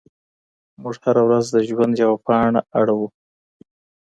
موږ هره ورځ د ژوند یوه پاڼه اړوو.